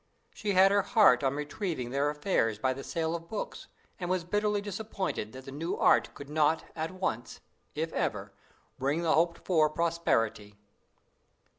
She had her heart on retrieving their affairs by the sale of books, and was bitterly disappointed that the new art could not at once, if ever, bring the hoped for prosperity.